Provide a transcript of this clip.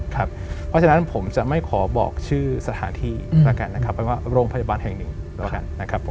เพราะฉะนั้นผมจะไม่ขอบอกชื่อสถานที่แล้วกันนะครับเป็นว่าโรงพยาบาลแห่งหนึ่งแล้วกันนะครับผม